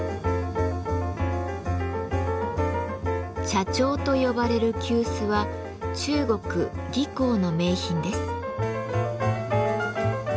「茶銚」と呼ばれる急須は中国・宜興の名品です。